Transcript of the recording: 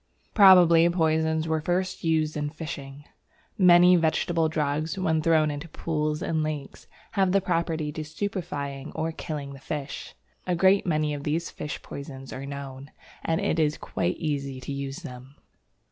Probably poisons were first used in fishing. Many vegetable drugs, when thrown into pools and lakes, have the property of stupefying or killing the fish. A great many of these fish poisons are known, and it is quite easy to use them.